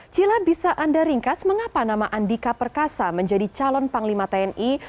cila bisa anda ringkas mengapa nama andika perkasa menjadi calon panglima tni